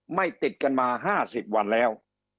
ไม่ติดกันมา๕๐วันแล้ว